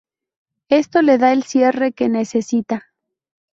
Esto le da el cierre que necesita.